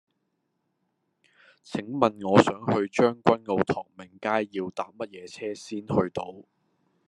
請問我想去將軍澳唐明街要搭乜嘢車先去到